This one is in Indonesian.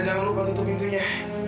jangan lupa untuk gantinya